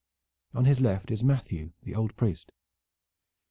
On his left is Matthew, the old priest.